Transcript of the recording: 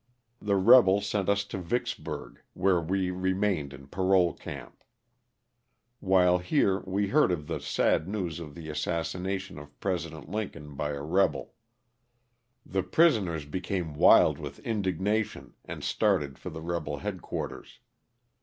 The rebels sent us to Vicksburg, where we remained in parole camp. While here we heard of the sad news of the assassination of President Lincoln by a rebel. The prisoners became wild with indignation and started for the rebel head quarters.